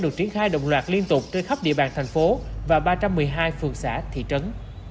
được triển khai đồng loạt liên tục trên khắp địa bàn thành phố và ba trăm một mươi hai phường xã thị trấn